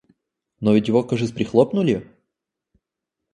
Но ведь его кажись прихлопнули?